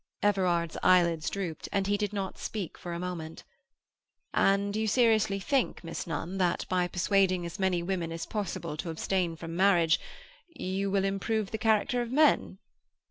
Everard's eyelids drooped, and he did not speak for a moment. "And you seriously think, Miss Nunn, that by persuading as many women as possible to abstain from marriage you will improve the character of men?"